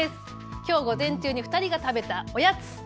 きょう午前中に２人が食べたおやつ。